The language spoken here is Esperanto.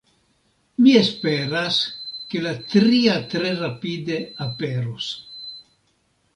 Mi esperas, ke la tria tre rapide aperos.